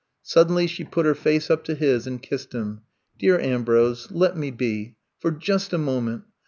'' Suddenly she put her face up to his and kissed him. Dear Ambrose — ^let me be — for just a moment.